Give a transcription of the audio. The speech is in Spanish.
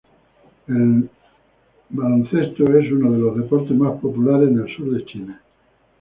El básquetbol es uno de los deportes más populares en el sur de Chile.